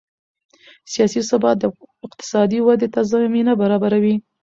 سیاسي ثبات اقتصادي ودې ته زمینه برابروي